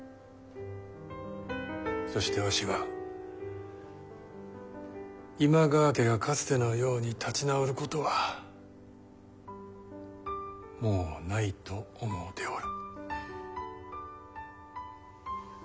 そしてわしは今川家がかつてのように立ち直ることはもうないと思うておる。